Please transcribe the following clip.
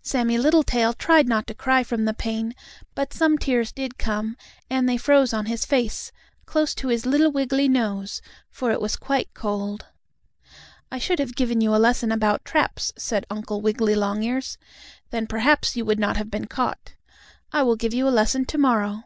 Sammie Littletail tried not to cry from the pain, but some tears did come, and they froze on his face, close to his little wiggily nose, for it was quite cold. "I should have given you a lesson about traps," said Uncle Wiggily Longears; "then perhaps you would not have been caught. I will give you a lesson to morrow."